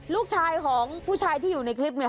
ลูกชายของผู้ชายที่อยู่ในคลิปเนี่ย